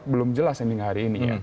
belum jelas hingga hari ini